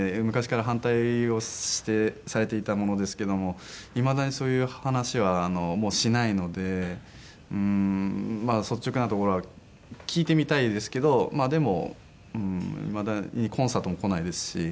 昔から反対をされていたものですけどもいまだにそういう話はもうしないので率直なところは聞いてみたいですけどでもいまだにコンサートも来ないですし。